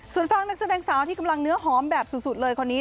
ส่วนฟังนักแสดงสาวที่กำลังเนื้อหอมแบบสุดเลยคนนี้